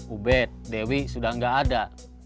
ubed dewi sudah nggak ada